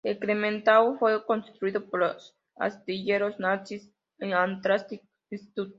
El "Clemenceau" fue construido por los astilleros Chantiers Atlantique en St.